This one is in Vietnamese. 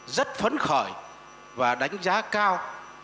rất phấn khởi và đánh giá cao